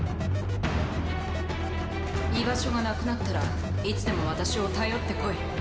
居場所がなくなったらいつでも私を頼って来い。